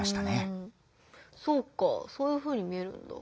そうかそういうふうに見えるんだ。